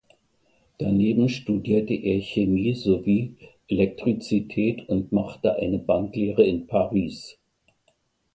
Daneben studierte er Chemie sowie Elektrizität und machte eine Banklehre in Paris.